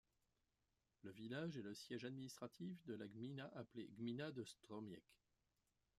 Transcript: Le village est le siège administratif de la gmina appelée gmina de Stromiec.